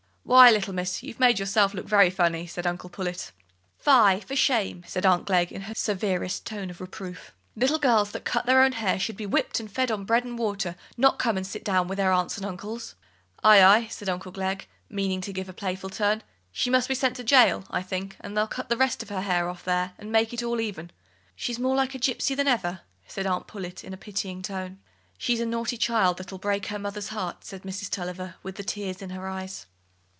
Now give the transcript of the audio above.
"Why, little Miss, you've made yourself look very funny," said Uncle Pullet. "Fie, for shame!" said Aunt Glegg, in her severest tone of reproof. "Little girls that cut their own hair should be whipped and fed on bread and water, not come and sit down with their aunts and uncles." "Aye, aye," said Uncle Glegg, meaning to give a playful turn, "she must be sent to jail, I think, and they'll cut the rest of her hair off there, and make it all even." "She's more like a gypsy than ever," said Aunt Pullet in a pitying tone. "She's a naughty child, that'll break her mother's heart," said Mrs. Tulliver, with the tears in her eyes.